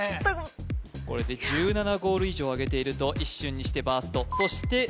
これで１７ゴール以上あげていると一瞬にしてバーストそして